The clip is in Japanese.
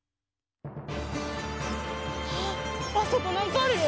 あっあそこなんかあるよ！